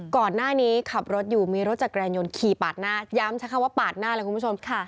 ก่อนหน้านี้ขับรถอยู่มีรถจักรยานยนต์ขี่ปาดหน้าย้ำใช้คำว่าปาดหน้าเลยคุณผู้ชมค่ะ